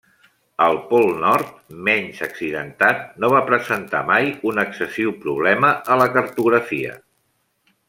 El Pol Nord, menys accidentat, no va presentar mai un excessiu problema a la cartografia.